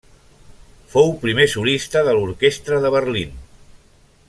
Fou primer solista de l'orquestra de Berlín.